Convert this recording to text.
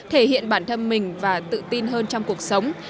thể hiện bản thân mình và tự tin hơn trong cuộc sống